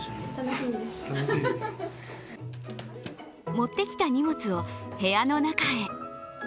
持ってきた荷物を部屋の中へ。